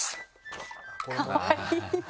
かわいいな。